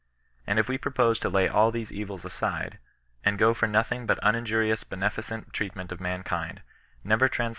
And if we propose to lay all these evils aside, and go for nothing but uninjurious beneficent treatment of mankind, never 30 CHSI8TIAK HOV BXSISTAKOK.